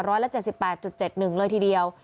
ร้อยละ๗๘๗๑เลยทีเดียว